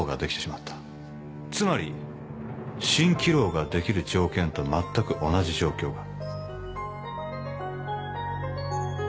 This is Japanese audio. つまり蜃気楼ができる条件と全く同じ状況が。